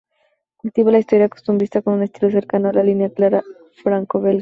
Cultiva la historieta costumbrista con un estilo cercano a la línea clara francobelga.